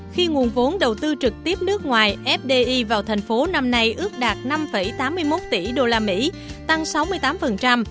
khi nguồn vốn đầu tư trực tiếp nước ngoài fdi vào thành phố năm nay ước đạt năm tám mươi một tỷ usd